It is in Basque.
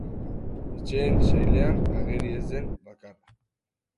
Etxeen sailean ageri ez den bakarra.